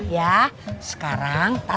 ya sekarang tatang